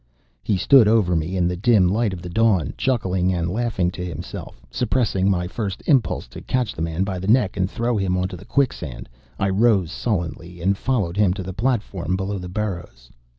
He stood over me in the dim light of the dawn, chuckling and laughing to himself. Suppressing my first impulse to catch the man by the neck and throw him on to the quicksand, I rose sullenly and followed him to the platform below the burrows.